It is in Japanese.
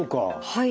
はい。